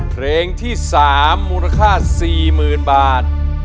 เพลงที่๓มูลค่า๔๐๐๐บาท